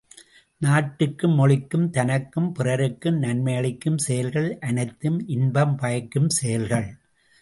நாட்டிற்கும் மொழிக்கும் தனக்கும் பிறருக்கும் நன்மையளிக்கும் செயல்கள் அனைத்தும் இன்பம் பயக்கும் செயல்கள்.